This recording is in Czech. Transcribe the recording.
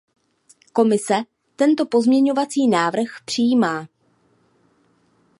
Komise tento pozměňovací návrh přijímá.